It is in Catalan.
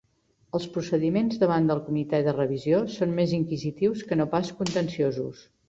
Els procediments davant del comitè de revisió són més inquisitius que no pas contenciosos.